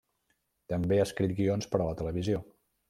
També ha escrit guions per a la televisió.